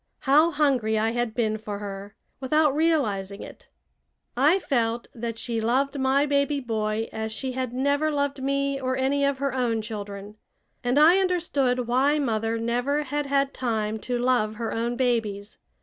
How hungry I had been for her, without realizing it! I felt that she loved my baby boy as she had never loved me or any of her own children. And I understood why mother never had had time to love her own babies.